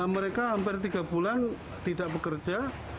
mereka hampir tiga bulan tidak bekerja